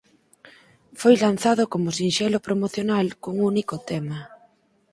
Foi lanzado como sinxelo promocional cun único tema.